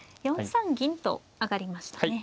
４三銀と上がりましたね。